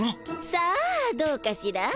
さあどうかしら？